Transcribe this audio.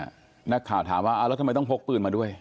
นักข่าวถามว่าแล้วทำไมต้องพกปืนมาด้วย